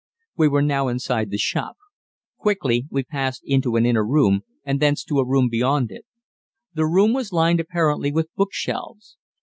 We were now inside the shop. Quickly we passed into an inner room, and thence to a room beyond it. This room was lined apparently with bookshelves.